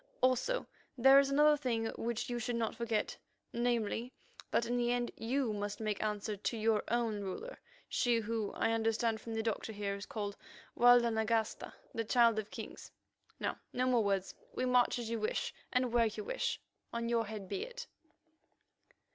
Also, there is another thing which you should not forget—namely, that in the end you must make answer to your own ruler, she who, I understand from the doctor here, is called Walda Nagasta, the Child of Kings. Now, no more words; we march as you wish and where you wish. On your head be it!"